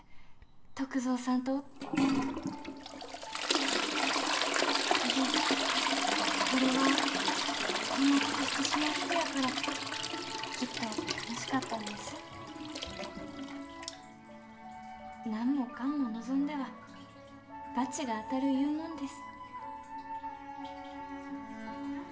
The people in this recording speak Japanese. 篤蔵さんとおってけどほれはこんなことしてしまう人やからきっと楽しかったんです何もかんも望んでは罰が当たるいうもんです